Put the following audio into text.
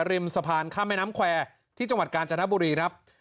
ริมสะพานข้ามแม่น้ำแควร์ที่จังหวัดกาญจนบุรีครับ